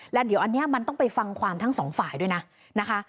แล้วเดี๋ยวอันนี้มันต้องไปฟังความทั้งสองฝ่ายด้วยนะนะคะ